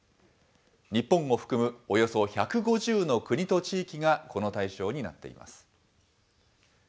日本を含むおよそ１５０の国と地域がこの対象になっています。